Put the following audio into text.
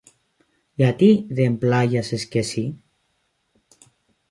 Γιατί δεν πλάγιασες και συ;